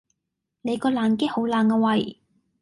你個爛 gag 好爛呀喂